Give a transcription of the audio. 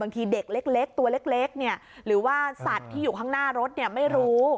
ทีเด็กเล็กตัวเล็กหรือว่าสัตว์ที่อยู่ข้างหน้ารถไม่รู้